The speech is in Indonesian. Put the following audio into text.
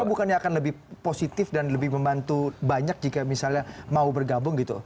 atau bukannya akan lebih positif dan lebih membantu banyak jika misalnya mau bergabung gitu